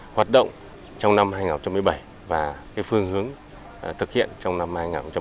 hoạt động trong năm hai nghìn một mươi bảy và phương hướng thực hiện trong năm hai nghìn một mươi chín